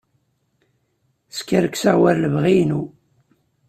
Skerkseɣ war lebɣi-inu.